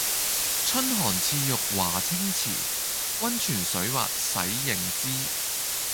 春寒賜浴華清池，溫泉水滑洗凝脂。